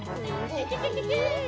ウキキキ！